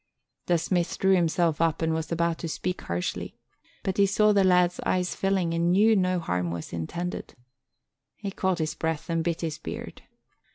The smith drew himself up and was about to speak harshly, but he saw the lad's eyes filling and knew no harm was intended. He caught his breath and bit his beard.